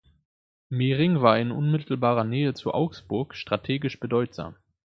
Mering war in unmittelbarer Nähe zu Augsburg strategisch bedeutsam.